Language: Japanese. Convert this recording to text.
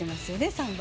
３番。